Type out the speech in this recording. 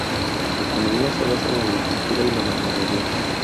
Su economía se basa en la agricultura y la ganadería.